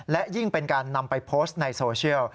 และยิ่งเป็นการนำไปโพสต์ในโซเชียล